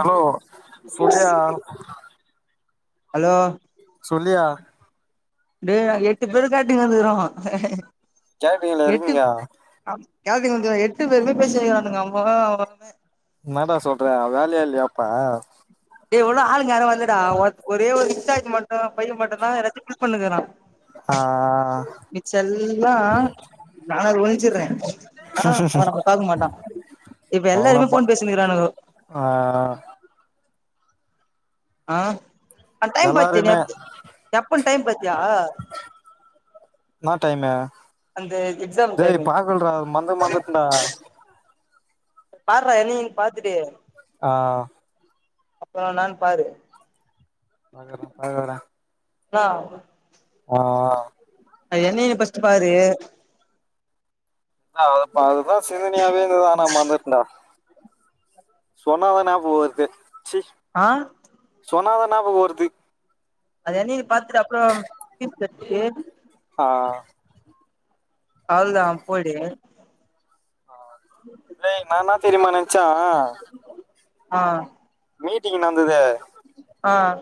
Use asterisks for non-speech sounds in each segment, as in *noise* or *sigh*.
Hello Sonia hello டே நாங்க எட்டு பேரு காட்டங்வந்துக்கிறோம் சேட்டிங்ல இருக்கீங்கா கேத்துங்கங்க எட்டு பேருமே பேசிக்கிறானுங்க அம்மா அவ என்னடா சொல்ற வேலையா இல்லையாப்பா எவ்ள ஆளுங்க யாரோ வந்து ஒரே ஒரு இன்சார்ஜ் மட்டும் தான் பையன் மட்டும் தான் எல்லாத்தையும் பில் பண்ணிட்டிருக்கான் ஆ மிச்சல்லா நானது ஒய்ப் செஞ்சிட்ரேன் ஆஹ் அவ நம்ம பாக்க மாட்டான் இப்ப எல்லாருமே அவ்ளோப்பா போன் பேசிருக்கிறானுவோ ஆ ஆஹ் ஆடைம் பாரத்தே எ எப்ப டைம் பத் என்னா டைமு அந்த எக்ஸாம் டைமு டேய் பாத்து சொல்லுடா மறந்து மறந்துட்டண்டா பாருடா என்னகினு பாத்துட்டு ஆஹ் அப்புறம் என்னானு பாரு அப்றம் பாக்குறேன்டா ஆஹ் ஆஹ் என்னையு பஸ்ட் பாரு அது அதுதான் சிதனையாவே இருந்தது ஆ மறந்துட்டேன்டா சொன்னாதானே போ இருக்கு சி ஆஹ் சொன்னாதானா நாம போறது அது என்ன பாத்துட்டு அப்பறம் ஆ அவளதான் போய்டுங்க ஆஹ சே நான தெரியுமா நெனச்சா ஆஹ் மீட்டிங் நடந்தது ஆஹ்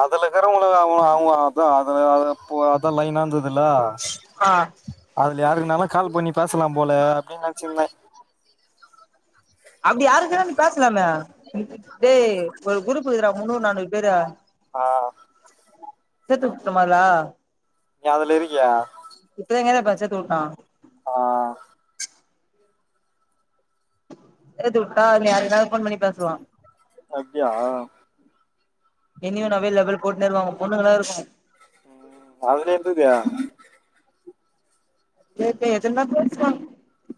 அதுலக்கு உங்கும் அவான் அதல போ அதான் நைனா இருந் ல்ல ஆ அதுல யாருக்குனாலும் கால் பண்ணி பேசலாம் போல அப்டின்னு நான்ச்சின்ந்தேன் அப்டி யாருக்கு வேன பேசலாமே ஒரு குரூப் இருக்கிறா முன்னூறு நானூறு பேரு ஆஹ் *unintelligible* குத்தமல்ல ஏ அததுலரி யா இவங்கத பச்ச தூட்டான் ஆஹ் ஹ் எது வுட்டா நி அதுக்கபோன் பண்ணி பேசுவான் அப்டியா ஹ இனின்ன அவைலபிள் போட்டுே வருவாங்க பொண்ணுங்களா இருக்கும் உம் அதுல எந்ததுயா எதன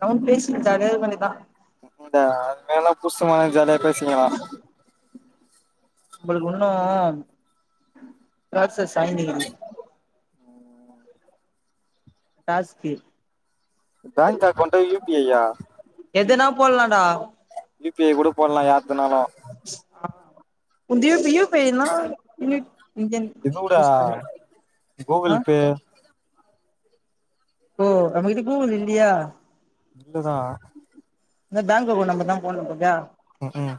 அவ பேச அதேமணிதான் இ அது மேல்லாம் புசுமான ஜாலியா போய் பேசிக்கலாம் உங்களுக்கு ஒண்ணும் *unintelligible* டாஸ்க்கு பேங்க் அக்கௌண்ட்டா யூபிஐயா எதுனா போலலாம்டா யூபிஐ கூட போடலாம் யார்துனாலும் உந்த வய பேன இ இது கூட ஆ கூகுள் பே ஓ அமைதி கூகுள் இல்லயா இல்லதா இந்த பேங்க் போ நம் நங்க போ நம்கா உம் உம்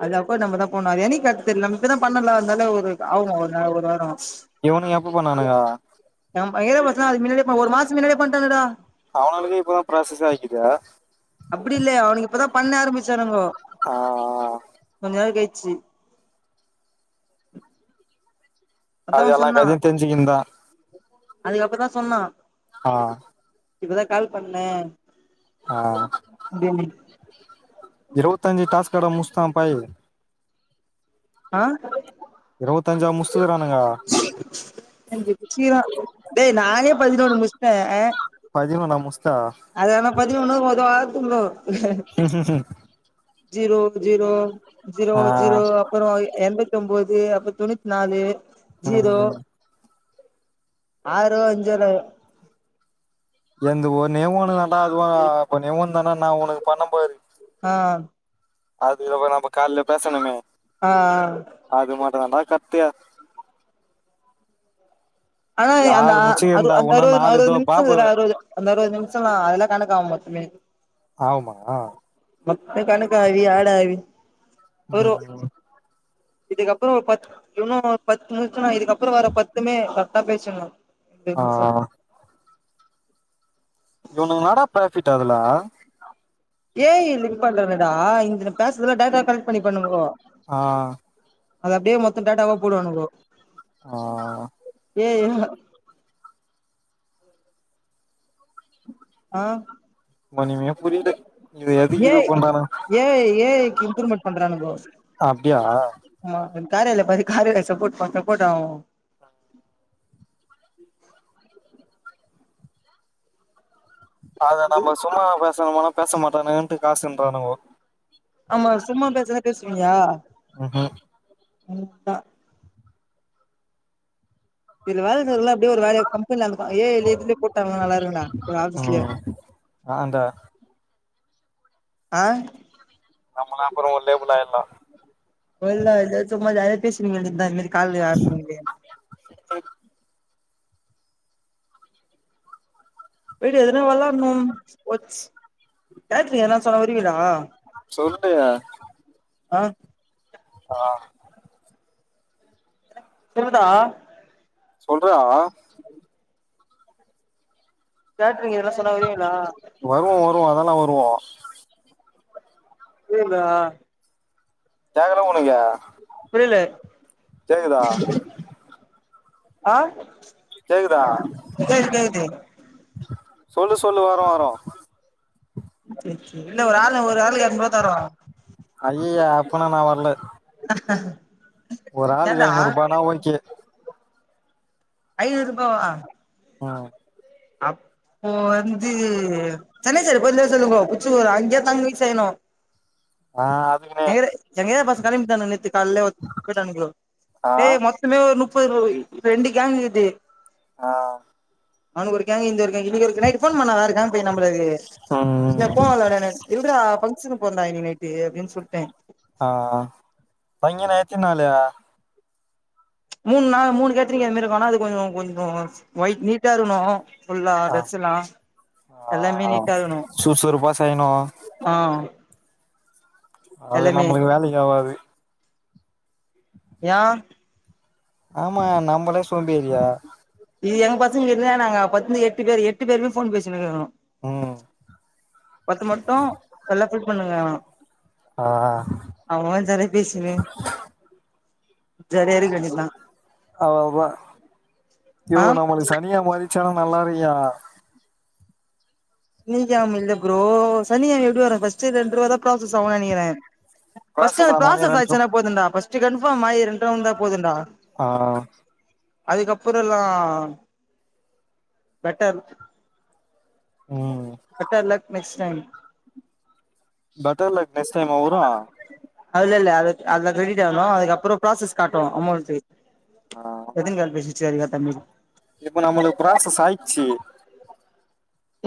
ஆ நம்ம தான் போண்ணுவாார் என் எனக்கு தெரியல *unintelligible* நம்மப்பதான் பண்ணலாம் இருந்தால ஒரு ஆகமா ஒரு ஒரு வாரம் இவனுங்க எப்ப பண்ணாவானுங்க ஏய பசங்க அது முன்னாடியே ஒரு மாம் முன்னாடி பண்ணட்டானனுடா அவனால்க இப்பதான் பிராசஸ் ஆய்க்கிது அப்படி இல்லலை அவனுக்கு இப்பதான் பண்ண ஆரம்பிச்சானங்கோ ஆஹா ஆஹா ச்சி அது எல்லாம் கதையும் தெரிஞ்சுக்குந்தான் அதுக்கப்புறம் சொன்னான் ஆஹ இப்பதான் கால் பண்ணேன் ஆஹ உம் இருவத்தஞ்சு டாஸ்கட முஸ்தான் பாய் ஆஹ இருவத்தஞ்ச முடிச் சிச் அய்யோ சிச் டேய் நானே பதினொன்னு முடிச்சுட்டேன் பதினொன்னா முஸ்தா அது என்ன கொஞ்சம் ஒன்னுத்துக்கும் ஒதாவது உம் கும் கும் உம் ஜீரோ ஜீரோ ஜீரோ ஆ ஜீரோ அப் ரோம் என் தொம்பது அப்ப தொண்ணூத்தி நாலு ஆஹா ஆஹா ஆறோ அஞ்சரோ எந்து ஓன்னே ஒண்ணுதான் அப்பா இருக்கவ ஒன்னே ஒன்னு நான் உனக்கு பண்ண பாரு ஆ அது இவ நம் இப்ப காலல பேசணனே ஆ அது மாட்ட தான்டா கத்தயா ஆனா அந்த அ அந்த உன்னா நாலு அறுபது இதோ நிமிஷம் பாபு அந்த அறுபது நிமிஷம் அறுபது பலாம் அதெல்லாம் கணக்காக மொத்தமே ஆமா மொத்த கணக்கும் இவி ஆடவி உம் இதுக்கப்புறம் பத்து இன்னும் பத்து முடிச்சுன்னா இதுக்கப்புறம் வர பத்துமே தான் பேச்சணும் ஆ டென்சன் இவன்களோடா ஃப்ரபீட் டர்லா ஏய் லிக் பண்றன்டா இந்த பேசறதலாம் டேடா கலெக்ட் பண்ணி பண்ணுங்கோ ஆஹ் அது அப்டியே மொத்தம் டேட்டாவா போடுவானுகோ ஆ ஏய் எங்க ஆஹ் ஒன்னுமே புரியல இது எதுக்கு இது ஏய் பண்றானுங்க ஏய் ஏய்க்கு இம்ப்ரூவ்மெண்ட் பண்றானுங்கோ அப்டியா காரால பாத்தி கார சப்போ் சப்போ்ட் போட்டு அத நம சும்மா சாமான பேச மாட்டானுட்டு காசுன்றானுவோ ஆமா சும்மா பேசுனா பேசுவியா ம்ஹூம் அப்பா இதுல வேல இருந்த அப்டியே ஒரு வேல கம்பெனில இருந்த ஏன் இ இதுலயே போட்டாங்கா நல்லா இருங்கா ஒரு ஆபீஸ்லயே அந்த ஆஹ் நம்மலா அப்புறம் ஒரு லேபுலா ஆயிரலாம் ஒல்ல இது சும்மா ஜாலியா பேசினு இருக்க வேண்டியது தான் இந்த மாதிரி கால்லயா ஆப்புங்குதே வீடு எதுனா வளாடணும் ஓட்ஸ் கேட்ரிங் எதுன்னா சொன்னா வருவீங்களா சொல்லு ஆஹ் ஆஹ் சுமதா சொல்றா பேட் நீங்க இதல்லாம் சொன்ன வருவீங்களா வருவோ வருவோ அதெல்லாம் வருவோம் இந்தா கேக்கல உங்களுக்கு புரியல கேக்குதா ஆஹ் கேக்குதா கேக் கேக்குது சொல்லு சொல்லு வரோம் வரோ செர் செரி இல்ல ஒரு ஆள் ஒரு ஆளுக்குக்கு இரநூறுபா தறோம் அய்யய அப்பனா நான் வரல ஒரு ஆளுக்கு ஏன்டா ஐநூறுபானா ஓக்கே ஐநூறு ரூபாவா ஆஹ் அப்போ வந்து சென்னை சைடு போ சொல்லுங்கோ பிச்சுகோ அங்கேயா தங்கி செய்யனும் ஆ அதுக்குனே *unintelligible* தரிங் தனா நெத்து த்தாலே வ போட்டனுக ப்ரோ ஆ ஏ மொத்தமே ஒரு நுப் பருவ ரெண்டு கேங்கு இது ஆஹ் அவனுக்கு ஒருக்கேங்கு இங்க இருக்காங்க இவங்களுக்கு நைட் போன் பண்ணா இருக்கங்க நம்மளுக்கு இன ம் போனலடன இல்டா பங்ஷனுக்கு போறேண்டா இன்னக்கி நைட்டு அப்படின்னு சொல்லிட்டேன் ஆஹ் பைகணே துனாலயா மூணு நா மூணு கேத்தரிங்க ஏ மாரி இருக்கனா அது கொஞ்சம் கொஞ்சம் ஒயிட் நீட்டா இருகணும் புல்லா ட்ரெச்சலாம் எல்லாமே ஆ நீட்டாகணும் சுறுசுறுப்பா செய்யணு ஆஹ் அது நம்மளுக்கு வேலை ஆவாது ஏன் ஆமா நம்பளே சோம்பேரிய இது எங்க பசங்க இருக்காங்க நாங்க எட்டு பேர் எட்டு பேருமே போன் பேசிடுயிருக்கோம் ம் பத்து மட்டும் எல்ல பண்ணுங்க ஆ அவமா ஜாலியா பேசினே ஜாலியா இருக்க வேண்டியதுதா ஆமா *unintelligible* யோ ஆ நம்ப சனியா மாது வச்சாலும் நல்லா இருக்குயா சனிக்கிழம இல்ல ப்ரோ சனிக்கிழம எப்டி வரும் ஃபர்ஸ்ட் ரெண்டு ரூபாய் தான் ப்ராசஸ் ஆகுனு நினக்கிறேன் ஃபர்ஸ்ட் ப்ராசஸ் அந்த ஆன ஒன்னே பராஸஸ் ரெண்டு ட்ரிப் ஆச்சுனா போதும்டா கம்பார்மயி ரெண்டு ருவா வந்த தான் போதுடா ஆஹ் அதுக்கப்பறம் எல்லாம் பெட்டர் ம் better luck next time better like next time அவரா அதால இல்ல அது அதுல கிரெட் ஆகணும் அதுக்கப்பறம் ப்ராசஸ் காட்டும் அமௌன்ட் எதின் கால் பேசி சேரிக தம்பி இப்போ நம்மளுக்கு ப்ராசஸ் அயிச்சு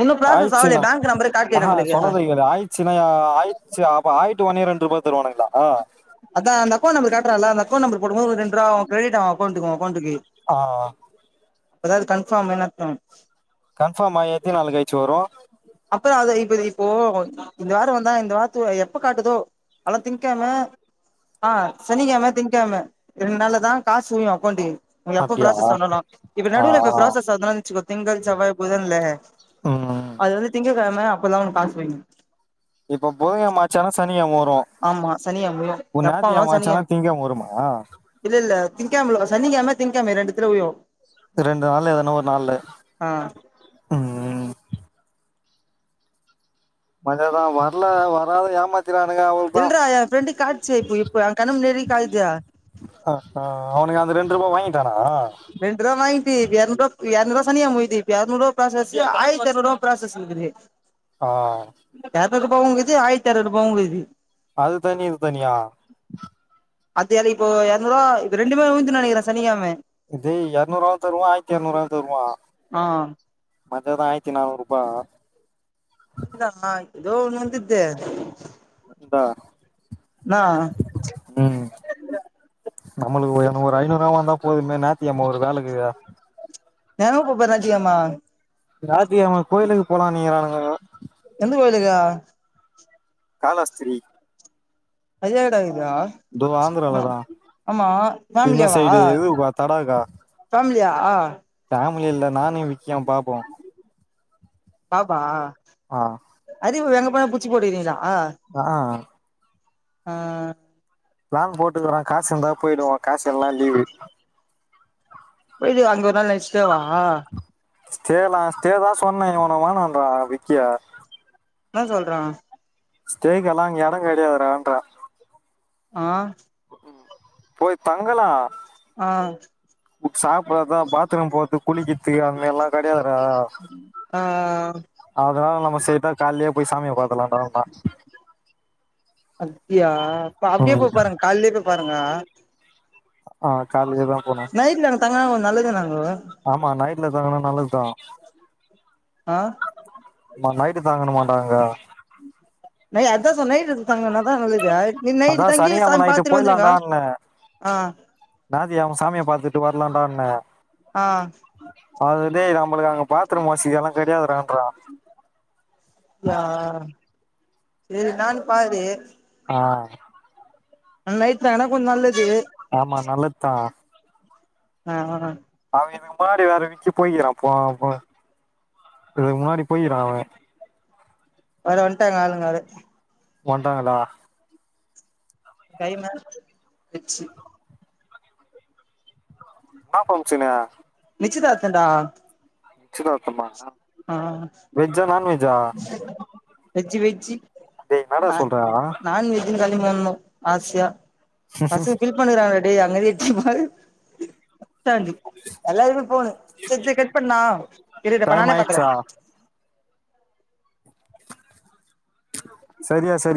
இன்னு ப்ராசஸ் ஆகலையே ஆயச்சுனா பேங்க் நம்பரே காட்டலையே ஆஹா நம்மளுக்கு சொல்லது ஆயச்சுன ஆயு அ ஆய டு ஒன்னி ரெண்டுபா தருவானுங்களா அதா அந்த அக்கவுண்டு நம்பர் காட்றாள அந்த அக்கவுண்ட் நம்பர் போடும் போது ஒரு ரெண்ருபா க்ரெடிட் ஆவு அக்கவுன்ட்டுக்கு ஓ அக்கவுன்டுக்கு ஆ அதாது கன்ஃபார்மின் அர்த்தொ கன்ஃபார்மா ஏத்தி நாளக்கழிச்சு வரு ஆ அப்புறொ அத இப்ப இப்போ இந்த வார வந்தா இந்த வாரத்து எப்ப காட்டுதோ அல்லா திங்கெழம ஆ சனிக்கெழம திங்கெழம ரெண்நாள்ல தா காசு அக்கவுண்டுக்கே ஒ எப்ப அப்டியா ப்ராசஸ் ஆனாலு இப்ப ஆ நடுல இப்ப ப்ராசஸ் ஆதானுச்சுக்கோ திங்கள் செவ்வாய் புதன்ல உம் அது வந்து திங்ககெழம அப்போதா உனக்காசு *unintelligible* இப்ப புதங்கெழம ஆச்சானா ச னிகெழம ஆமா சனிகெழம் முடியு எப்பனாலு சனிகெ ஆச்சானா திங்கக்கிழமை வருமா இல்லெல்ல திங்கேழ்மல்ல சனிக்கெழ்ம திங்கெழ்ம இது ரெண்டுத்துல‌ வியு ரெண்டு நாள்ல எதானா ஒரு நாள்ல ஆ உம் *unintelligible* வர்ல வராது ஏமா இல்றா என் ஃப்ரெண்டு காட்ச்சே இப்போ இப்ப என் கண்ணு முன்னாடி காட்டுதே தானா ரெண்ருவா வாங்கி பி இப் எர்நூருவா எர்நூறுவா சனிகிழம உய்தி இப்ப எர்நூறுவா ப்ராசஸு ஆயிரத்திஎர்நூருவா‌ ப்ராசஸ்ல இருக்குது ஆ ரநூறுபாவு இருக்குது ஆயிரத்துஎர்நூருபாவு இருக்குது அது தனி இது தனியா அது அது இப்ப எர்நூறுவா இது ரெண்டுமே உய்ந்துரு நெனக்கிறே சனிக்கெழம டேய் எரநூறுவாவு தருவா ஆயிரத்தி எரநூறுவாவு தருவா ஆ மத்தது ஆயிரத்தி நானூறுபா இதோ ஒன்னு வந்துத்தே அது வந்தா உம் நம்மளுக்கு ஒரு ஐநூறுவா வந்தா போதுமே நாத்திக்கெழம ஒரு வேலகு எங்க போப்போர ஞாயிற்றுக்கெழம ஞாயித்துக்கெழம கோயிலுக்கு போலானிகிரானுங்க எந்த கோயிலுகு காலஸ்திரீ அது எங்கடா கீ யா ஆந்திரால அமா தான் ஆமா இந்த ஃபேமிலியாவா சைடு இது தடாகா ஃபேமிலியா மிலி இல்ல நானு விக்கியு பாப்போ வாப்பா அறிவு எங்க போ புச்சி போட்டு இருக்கீங்களா ஆஹ் ஆஹ் பிளான் போட்டுக்கறேன் காசுந்தா போயிடுவோன் காசுன்ல்லன லீவு போய்டு அங்க ஒரு நாள் ரெஸ்ட்டே வா ஸ்டேலாம் ஸ்டே தான் சொன்னேன் இவ வேனாண்றான் விக்கியா என்ன சொல்றான் ஸ்டேக்கல்லாம் அங்க இடம் கிடையாது இன்ற ஆஹ் போய் தங்கலா ஆஹ் சாப்பிட்றது பாத்ரூம் போறது குளிக்கறது அது மாதிரி எல்லாம் கிடையாது ஆ அதனால நம்ம செய்ட்டா காலியே போய் சாமிய பார்த்திடலா வா அத் அப்படியா அப்படியே போய் பாருங்க காலிலேயே போய் பாருங்க ஆஹ் நைட்ல இவ தங்கனா ஒன்னு நல்லதுனாக ஆமா நைட்ல தங்குணு நல்லது தான் ஆஹ் ஆமா நைட் நைட்டு தங்கணு மான்டா அங்க நை அதா சொன்ன நைட்டு தங்குனாதா நல்லது நீ நைட்டு அதான் தங்கி சனிகிழமை சாமி நைட்டு பாத்துட்டு வந்துருங்க போய்லான்டான்ன ஆ ஞாயிற்றுக்கிழமை சாமியை பார்த்துட்டு வரலாம்டான்னா ஆ ஆ அதுலே ரம் நம்மளுக்கு அங்க பாத்ரூம் வசதி எல்லாம் கிடையாதுன்றா யா சரி என்னானு பாரு ஆஹ் நைட்ல எனக்கு நல்லது ஆமா நல்லத்தான் ஆஹ் அவ இதுக்கு மாதிரி வேற விறக்கி போயக்கிறான்ப்போ இ முன்னாடி போய்றான் அவன் வர வன்ட்டாங்க ஆளுங்க ஓன்றாங்களா கைமா வச்சு ஆப்பம் சனா நிச்சயதார்த்தன்டா. நிச்சிதார்த்தம்மா. ஆஹ வெஜ் வெ. ஜி. டேய் என்னடா சொல்ற. கலிங்கன்னா ஆசியா. பசு பில் பண்ணிறாங்க டேய். டேய் அங்கதே எச்சி மாரி. *unintelligible* எல்லாருமே போனு செரி செரி கட் பண்ணு. நா இரு நானே பண்ற. ச்சா. சரியா சரி.